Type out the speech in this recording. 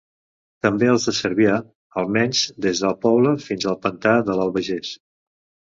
També els de Cervià, almenys des del poble fins al pantà de l'Albagés.